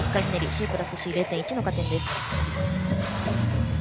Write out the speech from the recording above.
ＣプラスＣ、０．１の加点です。